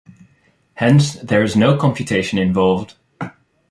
Hence there is no computation involved.